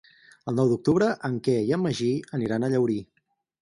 El nou d'octubre en Quer i en Magí aniran a Llaurí.